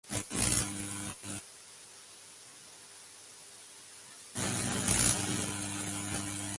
Apreciado por su capacidad de mantener un filo por un tiempo extremadamente largo.